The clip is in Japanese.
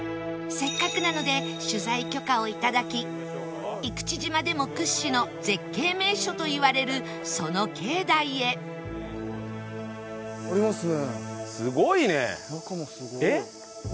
せっかくなので取材許可を頂き生口島でも屈指の絶景名所といわれるその境内へありますね。